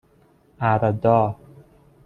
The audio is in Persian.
اَردا